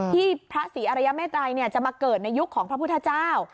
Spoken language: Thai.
พระศรีอรยาเมตรัยจะมาเกิดในยุคของพระพุทธเจ้า